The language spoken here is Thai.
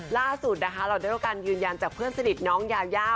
ล่าสุดนะคะเราได้รับการยืนยันจากเพื่อนสนิทน้องยายา